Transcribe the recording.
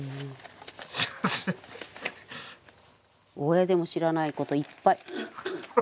親でも知らないこといっぱい。